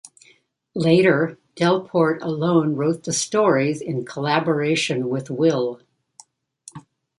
Later, Delporte alone wrote the stories in collaboration with Will.